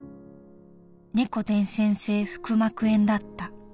猫伝染性腹膜炎だった。